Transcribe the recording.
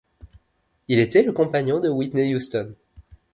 Il était le compagnon de Whitney Houston.